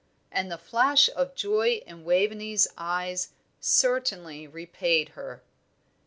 And the flash of joy in Waveney's eyes certainly repaid her.